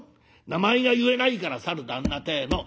名前が言えないから『さる旦那』てえの」。